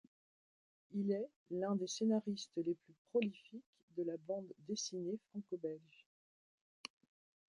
Il est l'un des scénaristes les plus prolifiques de la bande dessinée franco-belge.